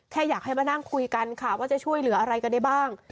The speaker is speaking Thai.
แค่อยากให้มานั่งคุยกันค่ะว่าจะช่วยเหลืออะไรกันได้บ้าง